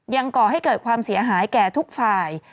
ก่อให้เกิดความเสียหายแก่ทุกฝ่าย